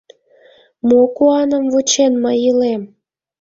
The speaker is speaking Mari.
Мо куаным вучен мый илем?